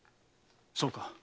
そうか。